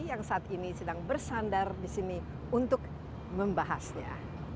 yang saat ini sedang bersandar di sini untuk membahasnya